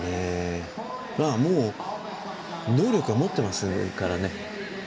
もう、能力は持っていますからね。